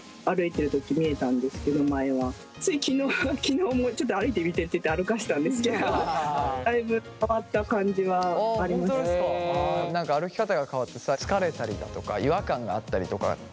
つい昨日も「ちょっと歩いてみて」って言って歩かせたんですけど何か歩き方が変わってさ疲れたりだとか違和感があったりとかってした？